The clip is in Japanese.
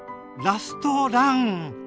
ラストラン！